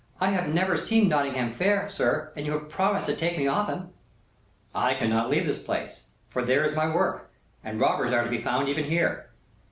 "I have never seen Nottingham Fair, sir, and you have promised to take me often." "I cannot leave this place; for there is my work, and robbers are to be found even here.